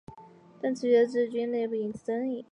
但此举在自治军内部引起争议。